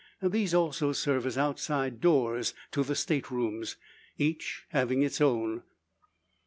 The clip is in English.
These also serve as outside doors to the state rooms each having its own.